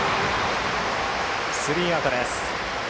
スリーアウトです。